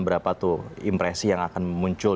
berapa tuh impresi yang akan muncul